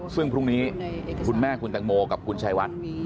ซึ่งพรุ่งนี้คุณแม่คุณตังโมกับคุณชายวัด